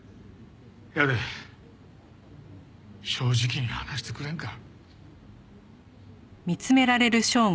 やで正直に話してくれんか？